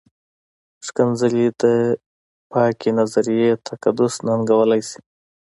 ښکنځلې د پاکې نظریې تقدس ننګولی شي.